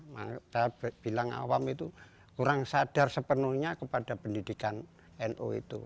maka saya bilang awam itu kurang sadar sepenuhnya kepada pendidikan nu itu